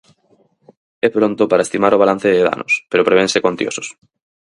É pronto para estimar o balance de danos, pero prevense cuantiosos.